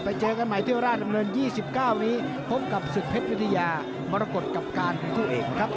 ไปเจอกันใหม่เที่ยวราชดำเนิน๒๙นี้พร้อมกับสุดเพชรวิทยามรกฏกับการคุณผู้เองครับ